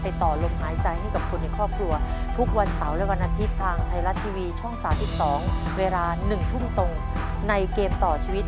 ต่อลมหายใจให้กับคนในครอบครัวทุกวันเสาร์และวันอาทิตย์ทางไทยรัฐทีวีช่อง๓๒เวลา๑ทุ่มตรงในเกมต่อชีวิต